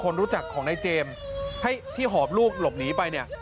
คนรู้จักของนายเจมส์ให้ที่หอบลูกหลบหนีไปเนี่ย